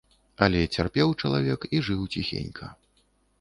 Але цярпеў чалавек і жыў ціхенька.